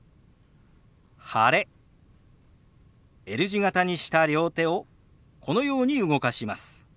Ｌ字形にした両手をこのように動かします。